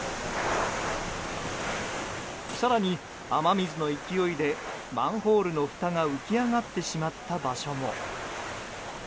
更に、雨水の勢いでマンホールのふたが浮き上がってしまった場所も。